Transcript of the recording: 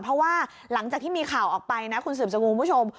เพราะว่าหลังจากที่มีข่าวออกไปนะคุณสืบสกุลคุณผู้ชม